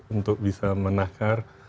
untuk bisa menakar